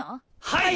はい！